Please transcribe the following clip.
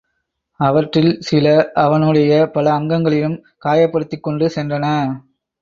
அவற்றில் சில அவனுடைய பல அங்கங்களிலும் காயப்படுத்திக்கொண்டு சென்றன.